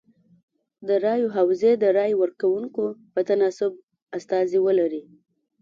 د رایو حوزې د رای ورکوونکو په تناسب استازي ولري.